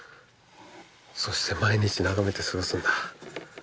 そして毎日眺めて過ごすんだ。